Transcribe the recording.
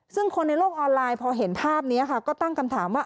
ซึ่งคนในโลกออนไลน์พอเห็นภาพนี้ค่ะก็ตั้งคำถามว่า